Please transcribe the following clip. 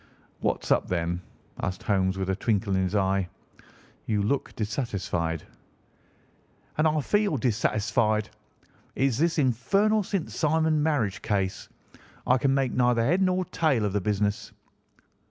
"What's up, then?" asked Holmes with a twinkle in his eye. "You look dissatisfied." "And I feel dissatisfied. It is this infernal St. Simon marriage case. I can make neither head nor tail of the business."